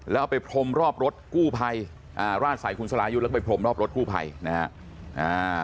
แล้วไปพรมรอบรถกู้ไพรราดใส่คุณสลายุทธ์แล้วไปพรมรอบรถกู้ไพรนะฮะ